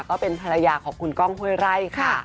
ก็เป็นภรรยาของคุณก้องห้วยไร่ค่ะ